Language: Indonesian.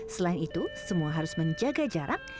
selain itu semua harus menjaga jarak